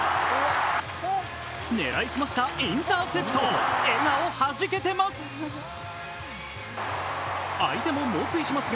狙いすましたインターセプト笑顔、はじけてます。